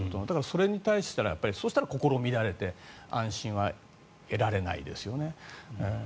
それに対してそうしたら試みられて安心は得られないですよね。